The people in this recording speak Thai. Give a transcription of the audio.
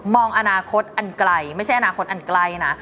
อนาคตอันไกลไม่ใช่อนาคตอันใกล้นะ